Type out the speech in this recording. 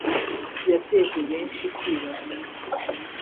yateje benshi kwibaza